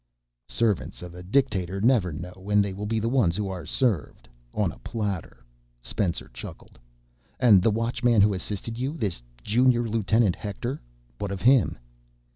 "Servants of a dictator never know when they will be the ones who are served—on a platter." Spencer chuckled. "And the Watchman who assisted you, this Junior Lieutenant Hector, what of him?"